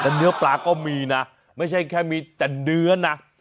แต่เนื้อปลาก็มีนะไม่ใช่แค่มีแต่เนื้อนะ